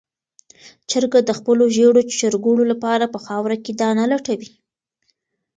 چرګه د خپلو ژېړو چرګوړو لپاره په خاوره کې دانه لټوي.